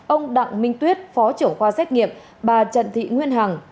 ông đặng minh tuyết phó trưởng khoa xét nghiệm bà trần thị nguyên hằng